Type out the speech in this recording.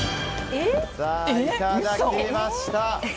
いただきました。